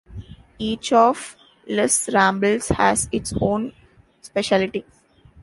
Each of "Les Rambles" has its own specialty.